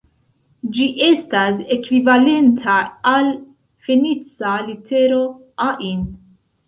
Ĝi estas ekvivalenta al fenica litero "ain".